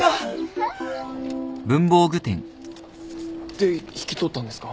で引き取ったんですか？